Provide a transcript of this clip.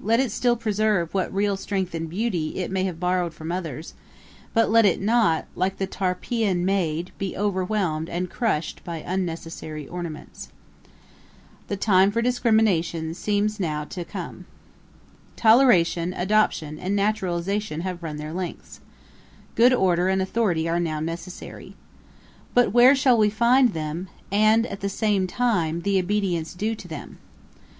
Let it still preserve what real strength and beauty it may have borrowed from others; but let it not, like the Tarpeian maid, be overwhelmed and crushed by unnecessary ornaments. The time for discrimination seems to be now come. [Page 259: Lord Chesterfield's flattery. Ætat 45.] 'Toleration, adoption, and naturalization have run their lengths. Good order and authority are now necessary. But where shall we find them, and, at the same time, the obedience due to them?